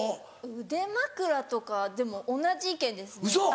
腕枕とかでも同じ意見ですね。